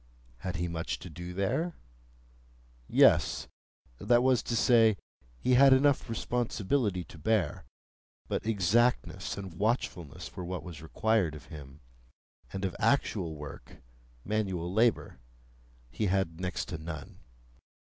Had he much to do there? Yes; that was to say, he had enough responsibility to bear; but exactness and watchfulness were what was required of him, and of actual work—manual labour—he had next to none.